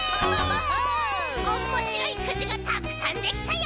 おもしろいくじがたくさんできたよ！